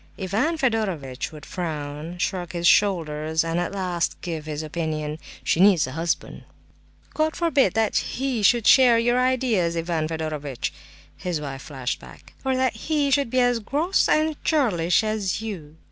Ivan Fedorovitch would frown, shrug his shoulders, and at last give his opinion: "She needs a husband!" "God forbid that he should share your ideas, Ivan Fedorovitch!" his wife flashed back. "Or that he should be as gross and churlish as you!"